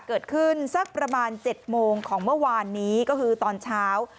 สักประมาณ๗โมงของเมื่อวานนี้ก็คือตอนเช้า